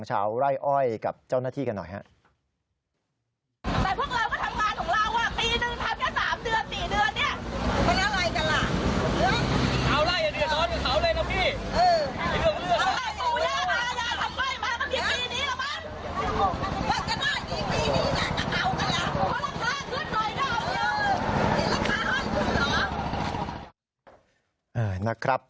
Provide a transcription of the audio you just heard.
ชาวไร่อ้อยกับเจ้าหน้าที่กันหน่อยครับ